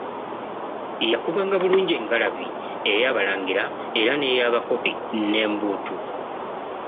Yakubanga bulungi engalabi ey'abalangira era n'ey'abakopi, n'embuutu.